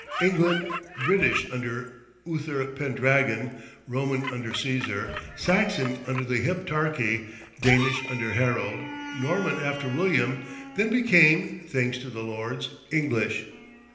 England, British under Uther Pendragon; Roman under Cæsar; Saxon under the Heptarchy; Danish under Harold; Norman after William; then became, thanks to the Lords, English.